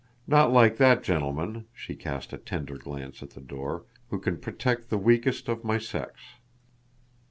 Not like that gentleman," she cast a tender glance at the door, "who can protect the weakest of my sex."